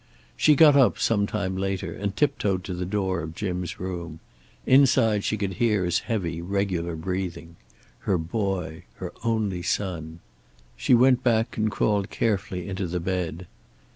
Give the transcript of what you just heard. She got up, some time later, and tiptoed to the door of Jim's room. Inside she could hear his heavy, regular breathing. Her boy. Her only son. She went back and crawled carefully into the bed.